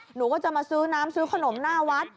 หนูก็จะมาซื้อน้ำซื้อขนมหน้าวัด